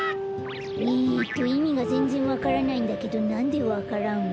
えっといみがぜんぜんわからないんだけどなんでわか蘭を？